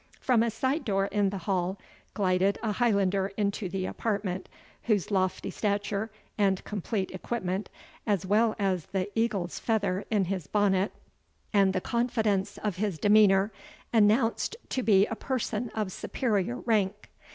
From a side door in the hall glided a Highlander into the apartment, whose lofty stature and complete equipment, as well as the eagle's feather in his bonnet, and the confidence of his demeanour, announced to be a person of superior rank.